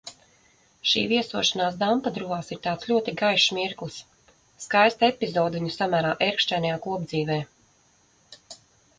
Šī viesošanās Dampadruvās ir tāds ļoti gaišs mirklis, skaista epizode viņu samērā ērkšķainajā kopdzīvē.